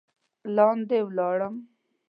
لاندې ولاړم.